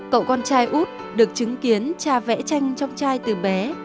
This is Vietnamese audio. cậu con trai út được chứng kiến cha vẽ tranh trong chai từ bé